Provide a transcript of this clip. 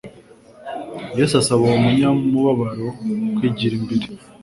Yesu asaba uwo munyamubabaro kwigira imbere.